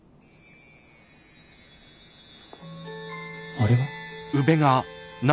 あれは？